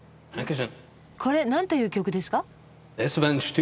これ何という曲ですか？